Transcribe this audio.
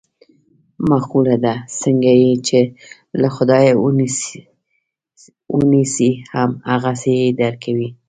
مقوله ده: څنګه یې چې له خدایه و نیسې هم هغسې یې در کوي.